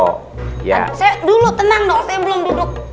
saya dulu tenang dong saya belum duduk